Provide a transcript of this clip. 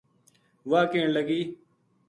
واہ کہن لگی